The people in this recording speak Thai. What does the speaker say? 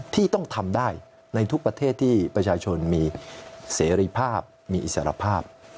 ที่ต้องทำได้ในทุกประเทศที่ประชาชนมีเสรีภาพมีอิสรภาพ